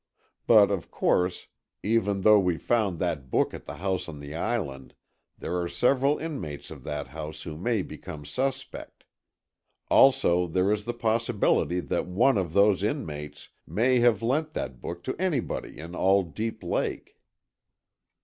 But of course, even though we found that book at the house on the Island, there are several inmates of that house who may become suspect; also there is the possibility that one of those inmates may have lent that book to anybody in all Deep Lake."